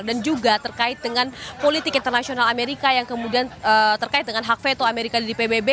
dan juga terkait dengan politik internasional amerika yang kemudian terkait dengan hak veto amerika di pbb